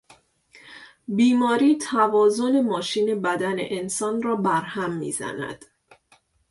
بیماری توازن ماشین بدن انسان را برهم میزند.